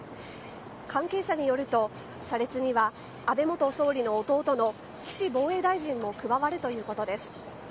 関係者によると車列には安倍元総理の弟の岸防衛大臣も加わるということです。